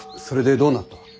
それでどうなった。